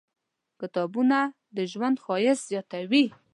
کتابونه د ژوند ښایست زیاتوي.